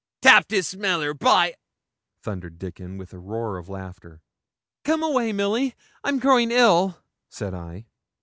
'Tapped his smeller, by !' thundered Dickon, with a roar of laughter. 'Come away, Milly I'm growing ill,' said I.